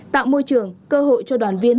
tạo môi trường cơ hội cho đoàn viên